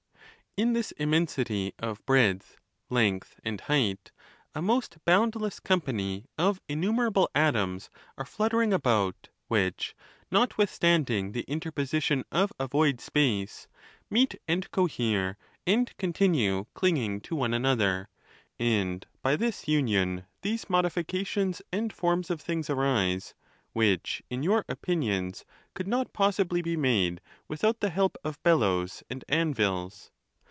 In this immensity of breadth, length, and height, a most boundless company of innumerable atoms THE NATURE OF THE GODS. 229 are fluttering about, which, notwithstanding the interposi tion of a void space, meet and colieve, and continue cling ing to one another; and by this union these modifications and forms of things arise, which, in your opinions, could not possibly be made without the help of bellows and an vils.